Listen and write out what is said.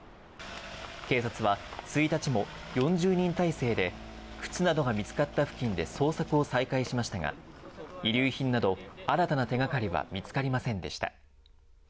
警察は、１日も４０人態勢で、靴などが見つかった付近で捜索を再開しましたが、遺留品など、新たな手がかりは見つかりませんでした。